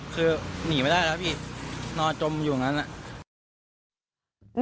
คือหนีไม่ได้แล้วพี่นอนจมอยู่อย่างนั้น